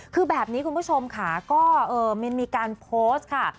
คือแบบนี้คุณผู้ชมค่ะก็มินมีการโพสต์ค่ะ